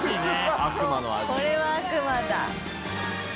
これは悪魔だ。